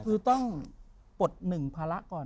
คือต้องปลดหนึ่งภาระก่อน